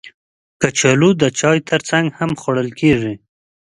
کچالو د چای ترڅنګ هم خوړل کېږي